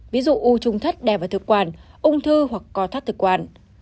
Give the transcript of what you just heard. ví dụ u trung thất đè vào thực quản ung thư hoặc co thắt thực quản